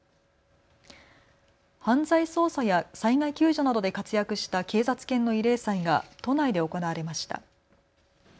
犯罪捜査や災害救助などで活躍した警察犬の慰霊祭が都内で行われました。